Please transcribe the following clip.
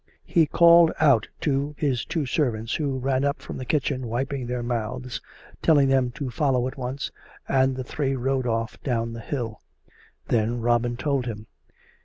He called out to his two servants, who ran out from the kitchen wiping their mouths, telling them to follow at once, and the three rode off down the hill. Then Robin told him.